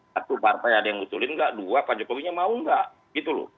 satu partai ada yang mengusulkan dua pak jokowinya mau gak